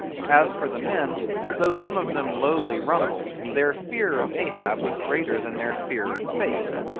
As for the men, though some of them lowly rumbled, their fear of Ahab was greater than their fear of Fate.